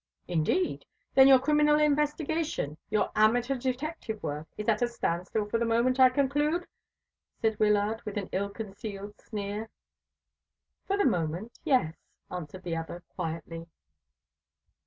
"Indeed! Then your criminal investigation, your amateur detective work is at a standstill for the moment, I conclude?" said Wyllard, with an ill concealed sneer. "For the moment, yes," answered the other quietly.